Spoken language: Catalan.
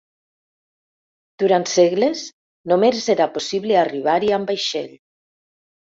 Durant segles, només era possible arribar-hi amb vaixell.